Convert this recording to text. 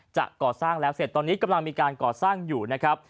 จะก่อสร้างแล้วเสร็จตอนนี้กำลังมีการก่อสร้างอยู่นะครับ